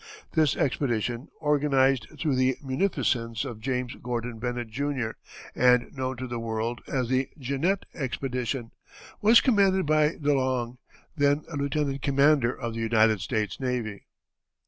This expedition, organized through the munificence of James Gordon Bennett, Jr., and known to the world as the Jeannette Expedition, was commanded by De Long, then a lieutenant commander of the United States Navy.